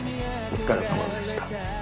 お疲れさまでした。